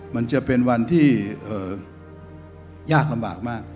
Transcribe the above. มันจะเป็นวันที่ยากลำบากมาก